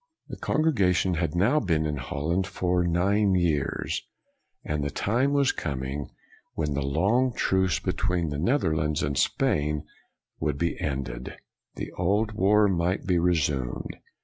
The congregation had now been in Hol land for nine years, and the time was com ing when the long truce between the Neth erlands and Spain would be ended. The old war might be resumed.